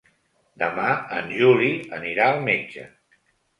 Demà en Juli anirà al metge.